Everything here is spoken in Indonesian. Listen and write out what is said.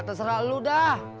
terserah lo dah